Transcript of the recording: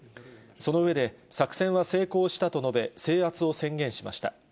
その上で、作戦は成功したと述べ、制圧を宣言しました。